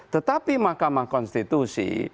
tetapi mahkamah konstitusi